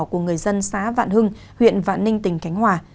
của người dân xã vạn hưng huyện vạn ninh tỉnh khánh hòa